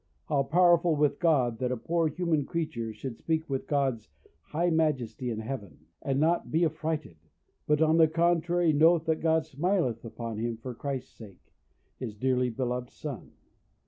how powerful with God; that a poor human creature should speak with God's high majesty in heaven, and not be affrighted, but, on the contrary, knoweth that God smileth upon him for Christ's sake, his dearly beloved Son.